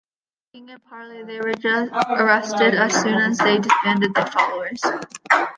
Seeking a parley, they were arrested as soon as they disbanded their followers.